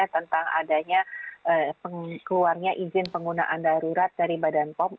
tentang adanya keluarnya izin penggunaan darurat dari badan pom